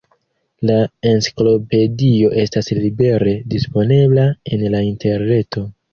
La enciklopedio estas libere disponebla en la interreto.